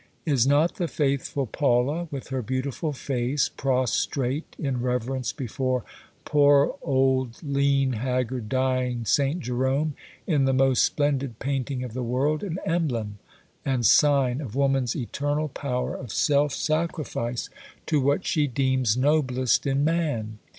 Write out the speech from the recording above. Is not the faithful Paula, with her beautiful face, prostrate in reverence before poor, old, lean, haggard, dying St. Jerome, in the most splendid painting of the world, an emblem and sign of woman's eternal power of self sacrifice to what she deems noblest in man?